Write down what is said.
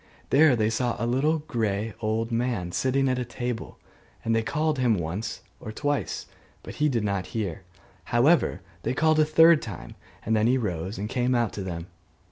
There they saw a little grey old man sitting at a table; and they called to him once or twice, but he did not hear: however, they called a third time, and then he rose and came out to them.